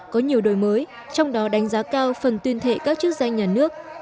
có nhiều đổi mới trong đó đánh giá cao phần tuyên thệ các chức danh nhà nước